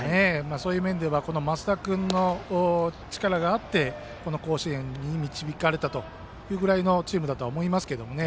そういう面では升田君の力がありこの甲子園に導かれたというぐらいのチームだとは思いますけどね。